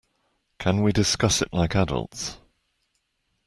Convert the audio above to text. Can we discuss it like adults?